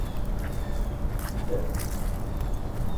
Kksent-as-tt.